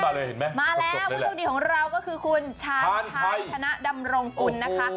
เห็นไหมมาแล้วผู้โชคดีของเราก็คือคุณชาญชัยธนดำรงกุลนะคะ